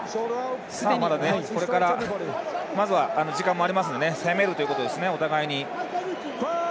これから、まずは時間もありますので攻めるということですねお互いに。